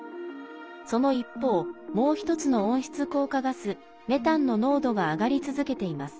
その一方もう１つの温室効果ガスメタンの濃度が上がり続けています。